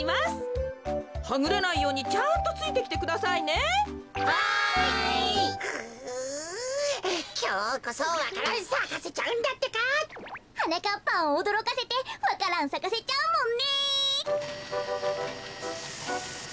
くきょうこそわか蘭さかせちゃうんだってか！はなかっぱんをおどろかせてわか蘭さかせちゃうもんね。